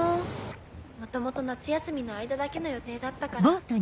もともと夏休みの間だけの予定だったから。